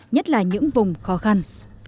nhất là những vùng khó khăn